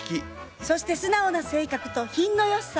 そして素直な性格と品の良さ。